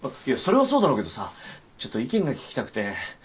いやそれはそうだろうけどさちょっと意見が聞きたくて。